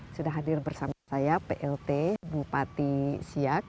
sudah hadir bersama saya plt bupati siak